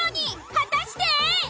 果たして。